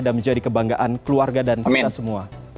dan menjadi kebanggaan keluarga dan kita semua